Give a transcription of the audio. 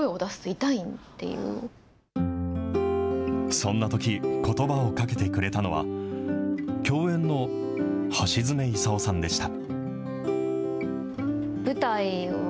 そんなとき、ことばをかけてくれたのは、共演の橋爪功さんでした。